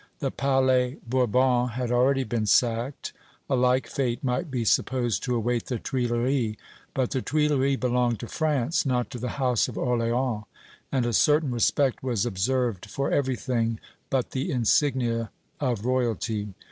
The Palais Bourbon had already been sacked; a like fate might be supposed to await the Tuileries; but the Tuileries belonged to France, not to the House of Orléans, and a certain respect was observed for everything but the insignia of Royalty.